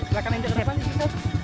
silahkan injok ke depan